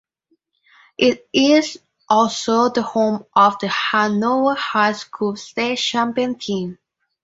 It is also the home of the Hanover High School state champion team.